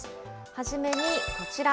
はじめにこちら。